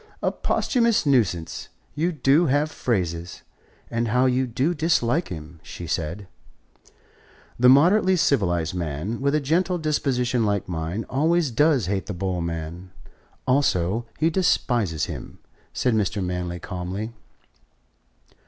"A posthumous nuisance you do have phrases! And how you do dislike him!" she said. "The moderately civilized man, with a gentle disposition like mine, always does hate the bull man. Also, he despises him," said Mr. Manley calmly.